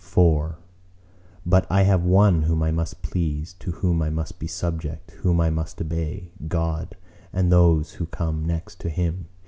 IV But I have one whom I must please, to whom I must be subject, whom I must obey:—God, and those who come next to Him.